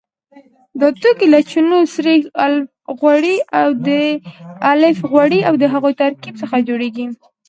دا توکي له چونه، سريښ، الف غوړي او د هغوی ترکیب څخه جوړیږي.